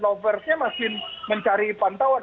loversnya masin mencari pantauan